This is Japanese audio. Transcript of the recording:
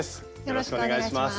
よろしくお願いします。